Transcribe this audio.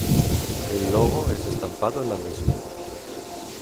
El logo es estampado en la misma.